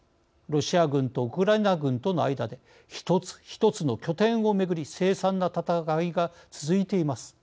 ロシア軍とウクライナ軍との間で一つ一つの拠点をめぐり凄惨な戦いが続いています。